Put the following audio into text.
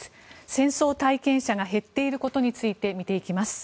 戦争体験者が減っていることについて見ていきます。